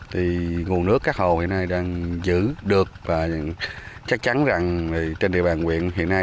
thì nguồn nước các hồ hiện nay đang giữ được và chắc chắn rằng trên địa bàn huyện hiện nay